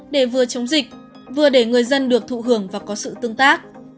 để vừa chống dịch vừa để người dân được thụ hưởng và có sự tương tác